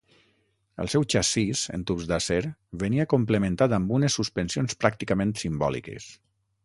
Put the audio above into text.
El seu xassís en tubs d'acer venia complementat amb unes suspensions pràcticament simbòliques.